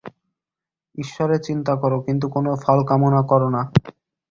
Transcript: ঈশ্বরের চিন্তা কর, কিন্তু কোন ফল-কামনা কর না।